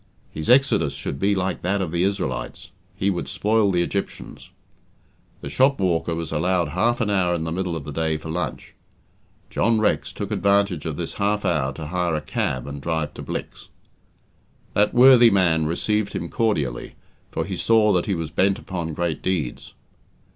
His exodus should be like that of the Israelites he would spoil the Egyptians. The shop walker was allowed half an hour in the middle of the day for lunch. John Rex took advantage of this half hour to hire a cab and drive to Blicks. That worthy man received him cordially, for he saw that he was bent upon great deeds.